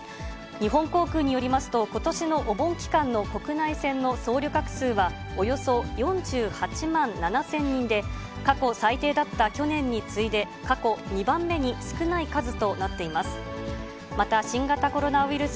日本航空によりますと、ことしのお盆期間の国内線の総旅客数は、およそ４８万７０００人で、過去最低だった去年に次いで、過去２番目に少ない数となっています。